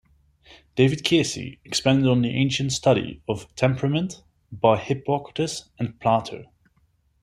David Keirsey expanded on the ancient study of temperament by Hippocrates and Plato.